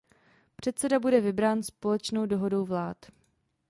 Předseda bude vybrán společnou dohodou vlád.